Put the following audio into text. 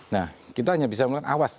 nah kita hanya bisa melakukan awas